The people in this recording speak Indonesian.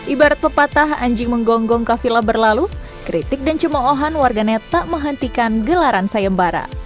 ibarat pepatah anjing menggonggong ke vila berlalu kritik dan cemohan warga net tak menghentikan gelaran sayembara